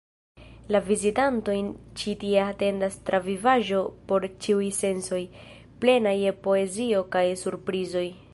La vizitantojn ĉi tie atendas travivaĵo por ĉiuj sensoj, plena je poezio kaj surprizoj.